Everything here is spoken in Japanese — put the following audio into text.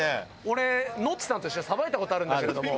俺ノッチさんと一緒にさばいた事があるんですけれども。